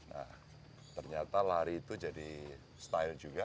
nah ternyata lari itu jadi style juga